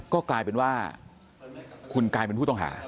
ก็กลายเป็นว่าคุณกลายเป็นผู้ต้องหา